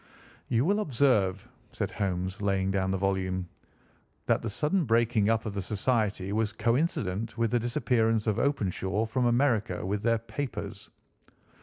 "You will observe," said Holmes, laying down the volume, "that the sudden breaking up of the society was coincident with the disappearance of Openshaw from America with their papers.